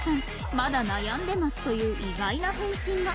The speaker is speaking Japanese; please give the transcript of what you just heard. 「まだ悩んでます」という意外な返信が